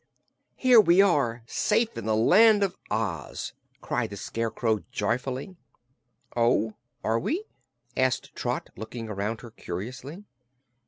"Here we are, safe in the Land of Oz!" cried the Scarecrow joyfully. "Oh, are we?" asked Trot, looking around her curiously.